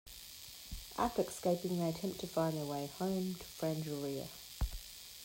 After escaping, they attempt to find their way home to Frangeria.